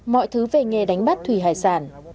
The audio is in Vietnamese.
mọi thứ về nghề đánh bắt thủy hải sản